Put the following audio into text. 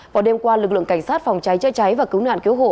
vào đêm qua lực lượng cảnh sát phòng cháy chữa cháy và cứu nạn cứu hộ